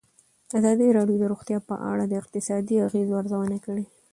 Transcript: ازادي راډیو د روغتیا په اړه د اقتصادي اغېزو ارزونه کړې.